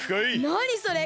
なにそれ！